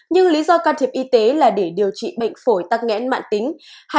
nhưng lý do can thiệp y tế là để điều trị bệnh phổi tắc nghẽn mạng tính